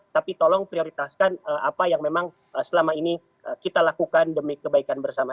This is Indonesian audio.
tapi tolong prioritaskan apa yang memang selama ini kita lakukan demi kebaikan bersama